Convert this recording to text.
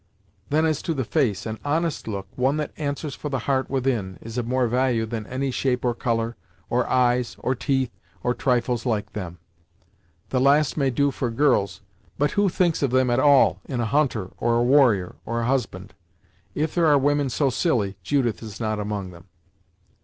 Then as to the face, an honest look, one that answers for the heart within, is of more value than any shape or colour, or eyes, or teeth, or trifles like them. The last may do for girls, but who thinks of them at all, in a hunter, or a warrior, or a husband? If there are women so silly, Judith is not among them."